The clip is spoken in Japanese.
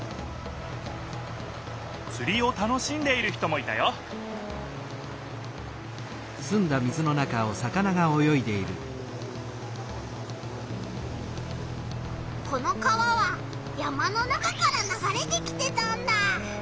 釣りを楽しんでいる人もいたよこの川は山の中からながれてきてたんだ。